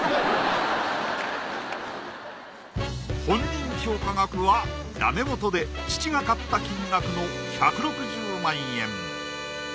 本人評価額はダメもとで父が買った金額の１６０万円。